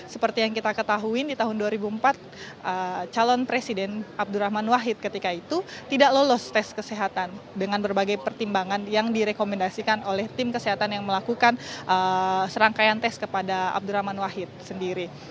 seperti yang kita ketahui di tahun dua ribu empat calon presiden abdurrahman wahid ketika itu tidak lolos tes kesehatan dengan berbagai pertimbangan yang direkomendasikan oleh tim kesehatan yang melakukan serangkaian tes kepada abdurrahman wahid sendiri